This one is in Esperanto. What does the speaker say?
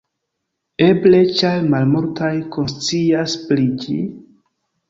Eble ĉar malmultaj konscias pri ĝi?